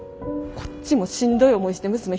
こっちもしんどい思いして娘